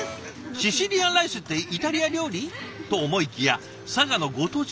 シシリアンライスってイタリア料理？と思いきや佐賀のご当地グルメなんですって。